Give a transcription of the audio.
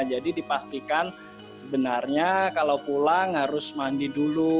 jadi dipastikan sebenarnya kalau pulang harus mandi dulu